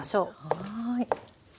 はい。